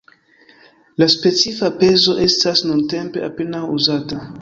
La specifa pezo estas nuntempe apenaŭ uzata.